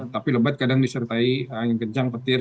tapi lebat kadang disertai angin kencang petir